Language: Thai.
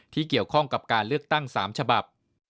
ที่เกี่ยวข้องกับการเลือกตั้ง๓ฉบับ